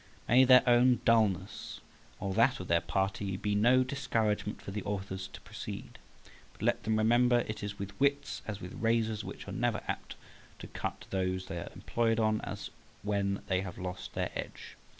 May their own dulness, or that of their party, be no discouragement for the authors to proceed; but let them remember it is with wits as with razors, which are never so apt to cut those they are employed on as when they have lost their edge.